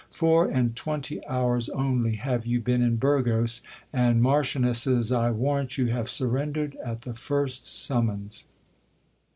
Four and twenty hours only have you been in Burgos, and marchionesses, I warrant you, have surrendered at the first summons